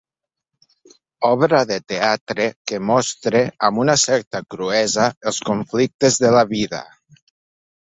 Obra de teatre que mostra amb una certa cruesa els conflictes de la vida.